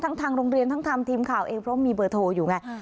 ทางโรงเรียนทั้งทางทีมข่าวเองเพราะมีเบอร์โทรอยู่ไง